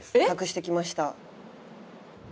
託してきました。